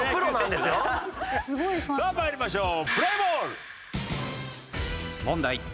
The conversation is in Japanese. さあ参りましょう。